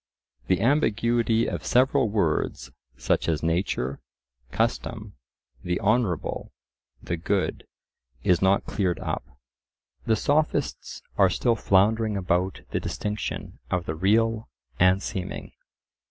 The ambiguity of several words, such as nature, custom, the honourable, the good, is not cleared up. The Sophists are still floundering about the distinction of the real and seeming.